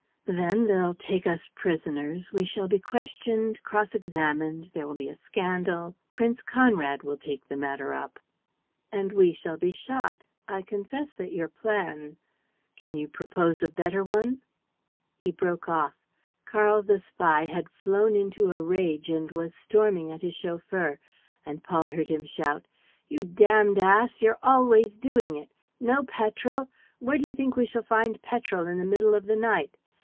"Then they'll take us prisoners. We shall be questioned, cross examined; there will be a scandal. Prince Conrad will take the matter up." "And we shall be shot. I confess that your plan ..." "Can you propose a better one?" He broke off. Karl the spy had flown into a rage and was storming at his chauffeur; and Paul heard him shout: "You damned ass! You're always doing it! No petrol. ... Where do you think we shall find petrol in the middle of the night?